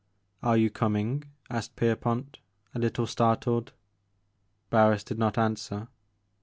"Are you coming," asked Pierpont, a little startled. Barris did not answer.